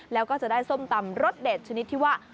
แล้วก็จะได้ส้มตำรสเด็ดชนิดที่ว่า